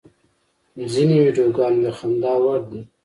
ځینې ویډیوګانې د خندا وړ دي.